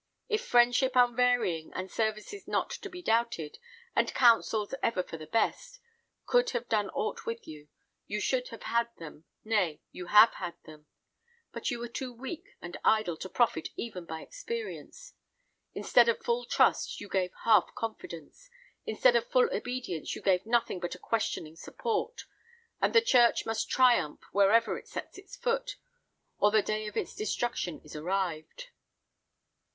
If friendship unvarying, and services not to be doubted, and counsels ever for the best, could have done aught with you, you should have had them, nay, you have had them. But you were too weak and idle to profit even by experience. Instead of full trust, you gave half confidence; instead of full obedience, you gave nothing but a questioning support; and the church must triumph wherever it sets its foot, or the day of its destruction is arrived."